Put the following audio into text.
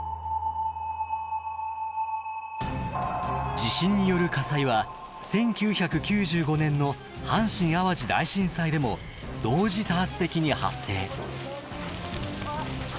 地震による火災は１９９５年の阪神・淡路大震災でも同時多発的に発生。